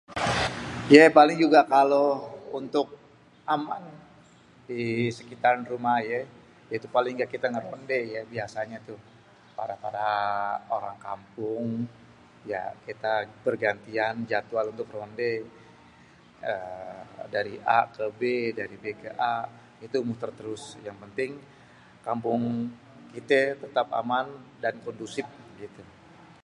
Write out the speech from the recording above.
ya paling juga kalo untuk émm di sekitaran rumah ayé ya itu kita paling rondé yé biasanya tuh para-para orang kampung ya kita bergantian jadwal untuk rondé dari A ké B dari B ké A gitu muter terus, yang penting kampung kita tétép aman dan kondusif gitu.